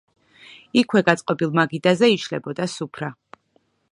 იქვე გაწყობილ მაგიდაზე იშლებოდა სუფრა.